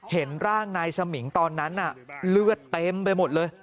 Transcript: เห็นร่างนายสมิงตอนนั้นเลือดเต็มไปหมดเลย